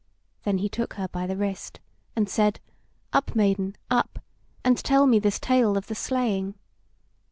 Then he took her by the wrist and said: "Up, Maiden, up! and tell me this tale of the slaying."